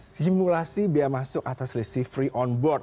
simulasi biaya masuk atas resi free on board